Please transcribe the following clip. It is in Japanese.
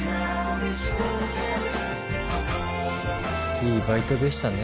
いいバイトでしたね。